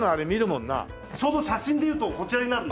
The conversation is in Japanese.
ちょうど写真でいうとこちらになるんですよ。